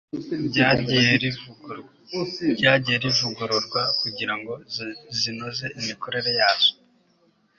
ryagiye rivugururwa kugira ngo zinoze imikorere yazo